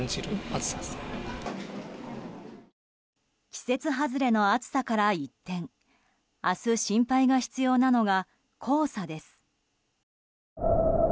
季節外れの暑さから一転明日心配が必要なのが黄砂です。